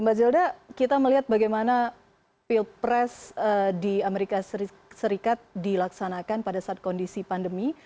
mbak zilda kita melihat bagaimana pilpres di amerika serikat dilaksanakan pada saat kondisi pandemi